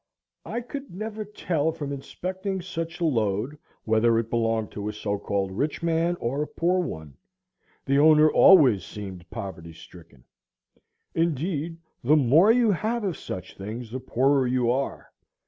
I could never tell from inspecting such a load whether it belonged to a so called rich man or a poor one; the owner always seemed poverty stricken. Indeed, the more you have of such things the poorer you are.